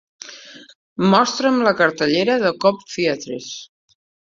Mostra'm la cartellera de Cobb Theatres.